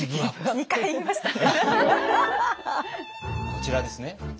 こちらですね。